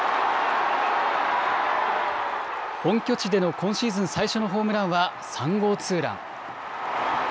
本拠地での今シーズン最初のホームランは３号ツーラン。